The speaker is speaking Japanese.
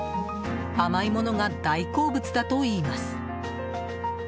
甘いものが大好物だといいます。